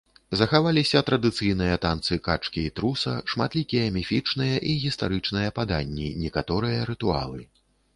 Захаваліся традыцыйныя танцы качкі і труса, шматлікія міфічныя і гістарычныя паданні, некаторыя рытуалы.